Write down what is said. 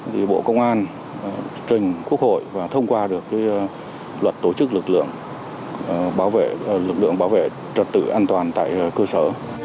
thì bộ công an trình quốc hội và thông qua được luật tổ chức lực lượng bảo vệ trật tự an toàn tại cơ sở